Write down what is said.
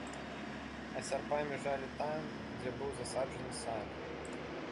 А сярпамі жалі там, дзе быў засаджаны сад.